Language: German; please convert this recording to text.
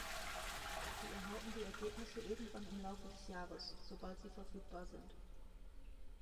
Sie erhalten die Ergebnisse irgendwann im Laufe des Jahres, sobald sie verfügbar sind.